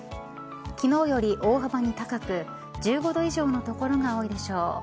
昨日より大幅に高く１５度以上の所が多いでしょう。